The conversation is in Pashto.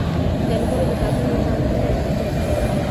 د انګورو د تاکونو لپاره کوم ډول سیستم ښه دی؟